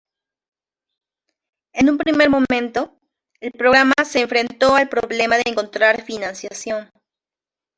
En un primer momento, el programa se enfrentó al problema de encontrar financiación.